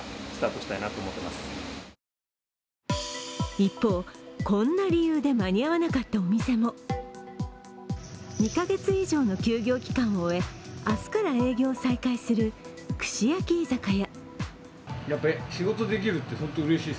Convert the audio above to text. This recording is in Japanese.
一方、こんな理由で間に合わなかったお店も２カ月以上の休業期間を終え、明日から営業を再開する串焼き居酒屋。